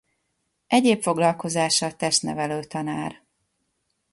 Egyéb foglalkozása testnevelő tanár.